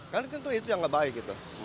kan tentu itu yang lebih baik